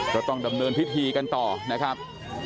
ก็ต้องดำเนินพิธีกันต่อนะครับ